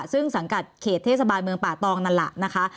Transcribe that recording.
ซึ่งสังกัดเขตเทศบาลเมืองป่าตองนั่นแหละนะคะ